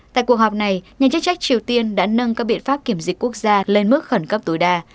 tại cuộc họp này nhà chức trách triều tiên đã nâng các biện pháp kiểm dịch quốc gia lên mức khẩn cấp tối đa